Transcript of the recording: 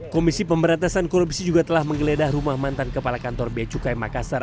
komisi pemberantasan korupsi juga telah menggeledah rumah mantan kepala kantor bea cukai makassar